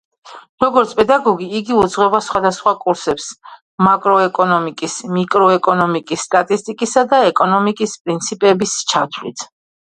როგორც პედაგოგი, იგი უძღვება სხვადასხვა კურსებს, მაკროეკონომიკის, მიკროეკონომიკის, სტატისტიკისა და ეკონომიკის პრინციპების ჩათვლით.